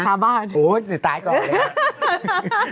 สาบานเลยนะโอ้จะตายก่อนเลยฮะค่า